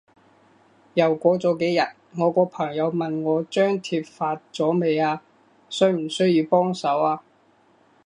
又過咗幾日，我個朋友問我張貼發咗未啊？需唔需要幫手啊？